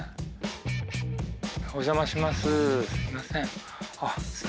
お邪魔します。